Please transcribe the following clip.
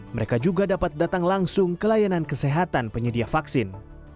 mereka juga dapat datang langsung ke layanan kesehatan penyedia vaksin